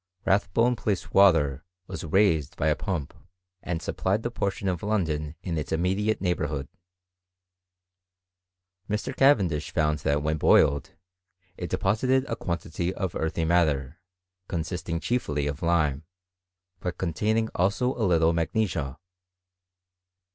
Rathbone place water was raised by b Sump, and supplied the portion of London in its imnte iate neighbourhood. Mr. Cavendish found that when boiled, it deposited a quantity of earthy matter, coi» Bisting chiefly of lime, but containing also a llttb magnesia.